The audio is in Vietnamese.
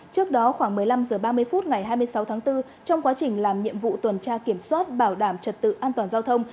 trước đó khoảng một mươi năm h ba mươi phút ngày hai mươi sáu tháng bốn trong quá trình làm nhiệm vụ tuần tra kiểm soát bảo đảm trật tự an toàn giao thông